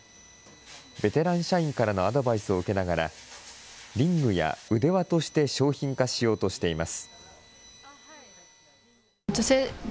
ベテラン社員からのアドバイスを受けながら、リングや腕輪として商品化しようとしています。